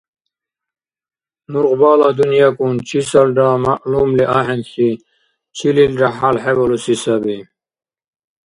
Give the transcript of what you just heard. Нургъбала дунъякӀун чисалра мягӀлумли ахӀенси, чилилра хӀял хӀебалуси саби.